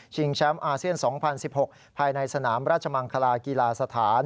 แชมป์อาเซียน๒๐๑๖ภายในสนามราชมังคลากีฬาสถาน